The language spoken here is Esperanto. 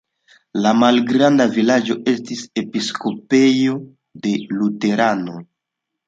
La malgranda vilaĝo estis episkopejo de luteranoj.